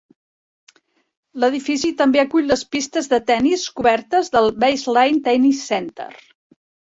L'edifici també acull les pistes de tennis cobertes del Baseline Tennis Center.